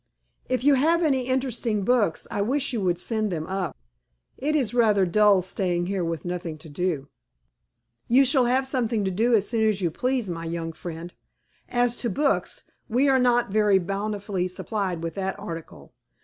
"If you have any interesting books, I wish you would send them up. It is rather dull staying here with nothing to do." "You shall have something to do as soon as you please, my young friend. As to books, we are not very bountifully supplied with that article.